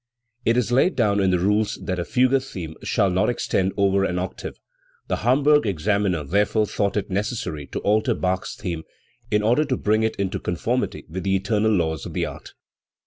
It is laid down in the rules that a fugue theme shall not extend over an oc tave. The Hamburg examiner therefore thought it ne cessary to alter Bach's theme in order to bring it into conformity with the eternal laws of the art.